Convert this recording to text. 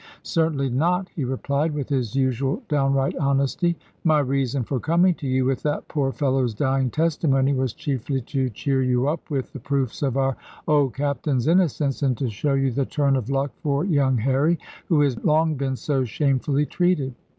"Certainly not," he replied, with his usual downright honesty; "my reason for coming to you with that poor fellow's dying testimony was chiefly to cheer you up with the proofs of our old Captain's innocence, and to show you the turn of luck for young Harry, who has long been so shamefully treated.